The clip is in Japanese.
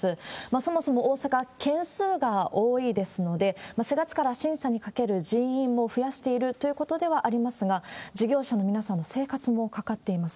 そもそも大阪、件数が多いですので、４月から審査にかける人員も増やしているということではありますが、事業者の皆さんの生活もかかっています。